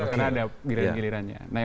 karena ada giliran gilirannya